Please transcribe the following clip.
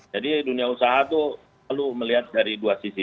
jadi dunia usaha itu perlu melihat dari dua sisi